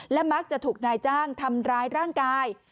และมักจะถูกนายจ้างทำร้ายร่างกาย